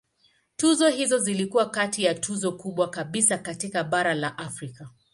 Tuzo hizo zilikuwa kati ya tuzo kubwa kabisa katika bara la Afrika.